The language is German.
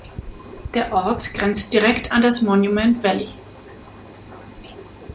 Der Ort grenzt direkt an das Monument Valley.